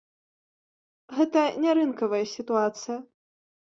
Гэта не рынкавая сітуацыя.